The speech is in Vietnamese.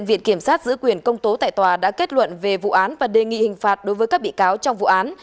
viện kiểm sát giữ quyền công tố tại tòa đã kết luận về vụ án và đề nghị hình phạt đối với các bị cáo trong vụ án